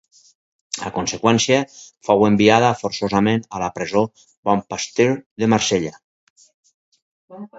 A conseqüència fou enviada forçosament a la presó Bon Pasteur de Marsella.